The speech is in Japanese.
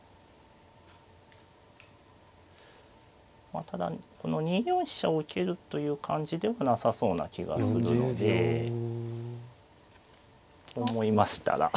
まあただこの２四飛車を受けるという感じではなさそうな気がするので。と思いましたら。